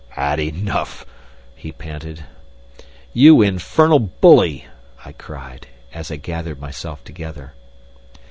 "Had enough?" he panted. "You infernal bully!" I cried, as I gathered myself together.